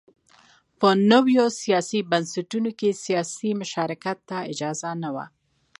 په نویو سیاسي بنسټونو کې سیاسي مشارکت ته اجازه نه وه.